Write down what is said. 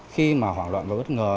khi mà hoảng loạn và bất ngờ